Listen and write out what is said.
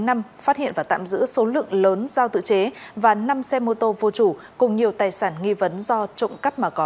phát hiện và tạm giữ số lượng lớn giao tự chế và năm xe mô tô vô chủ cùng nhiều tài sản nghi vấn do trụng cấp mà có